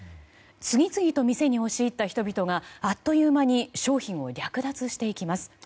次々と店に押し入った人々があっという間に商品を略奪していきます。